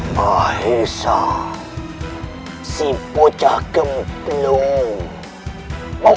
baiklah si pecah yang berguna